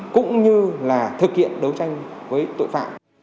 cũng như là thực hiện đấu tranh với tội phạm